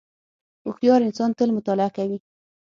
• هوښیار انسان تل مطالعه کوي.